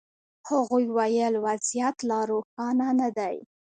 هغوی ویل وضعیت لا روښانه نه دی.